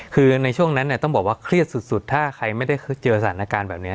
คือในช่วงนั้นเนี่ยต้องบอกว่าเครียดสุดถ้าใครไม่ได้เจอสถานการณ์แบบนี้